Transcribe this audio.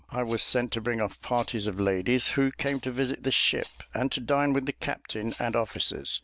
I was sent to bring off parties of ladies who came to visit the ship, and to dine with the captain and officers.